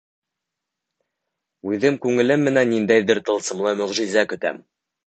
Үҙем, күңелем менән ниндәйҙер тылсымлы мөғжизә көтәм.